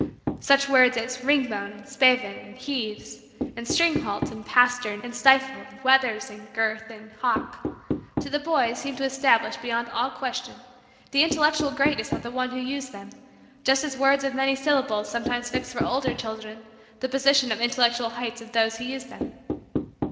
Such words as "ringbone" and "spavin" and "heaves" and "stringhalt" and "pastern" and "stifle" and "wethers" and "girth" and "hock," to the boy, seemed to establish, beyond all question, the intellectual greatness of the one who used them just as words of many syllables sometimes fix for older children the position on the intellectual heights of those who use them.